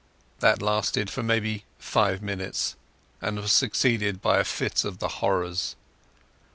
That lasted for maybe five minutes, and was succeeded by a fit of the horrors.